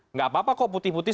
nggak apa apa kok putih putih